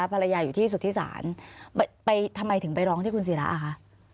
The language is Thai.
ภรรยาอยู่ที่สุธิศาลทำไมถึงไปร้องที่คุณศิราอ่ะคะ